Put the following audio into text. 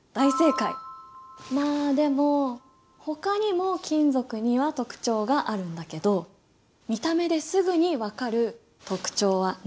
まあでもほかにも金属には特徴があるんだけど見た目ですぐに分かる特徴は何かな？